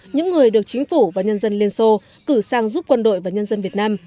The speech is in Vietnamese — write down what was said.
những người được chính phủ và nhân dân liên xô cử sang giúp quân đội và nhân dân việt nam